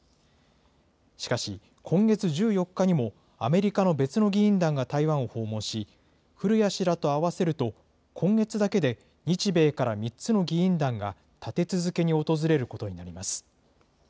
しかし、今月１４日にも、アメリカの別の議員団が台湾を訪問し、古屋氏らと合わせると今月だけで日米から３つの議員団が立て続けに訪れることになります。